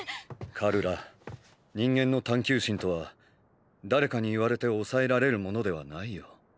カルラ人間の探求心とは誰かに言われて抑えられるものではないよ。